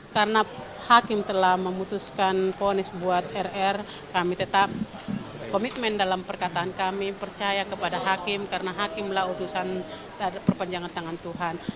karena hakim telah memutuskan ponis buat rr kami tetap komitmen dalam perkataan kami percaya kepada hakim karena hakimlah utusan perpenjangan tangan tuhan